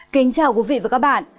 kính chào quý vị và các bạn